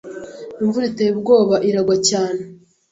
Imvura iteye ubwoba iragwa cyane